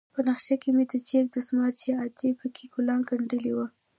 په نخښه کښې مې د جيب دسمال چې ادې پکښې ګلان گنډلي وو.